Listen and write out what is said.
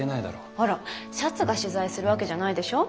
あらシャツが取材するわけじゃないでしょ？